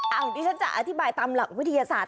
อ่าอย่างที่ฉันจะอธิบายตามหลักวิทยาศาสตร์